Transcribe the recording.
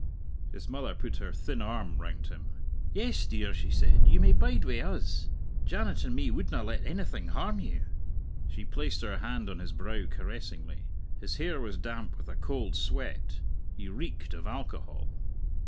His mother put her thin arm round him. "Yes, dear," she said; "you may bide wi' us. Janet and me wouldna let anything harm you." She placed her hand on his brow caressingly. His hair was damp with a cold sweat. He reeked of alcohol.